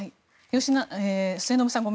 末延さん